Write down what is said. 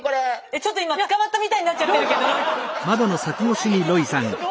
ちょっと今捕まったみたいになっちゃってるけどロイ君。